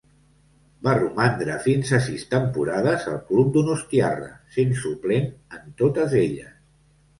Va romandre fins a sis temporades al club donostiarra, sent suplent en totes elles.